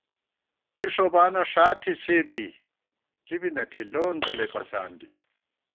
کیݭوبانہ ݭا تھی سے بی کِبی نہ تھی لون تَلَئ پَڅان دی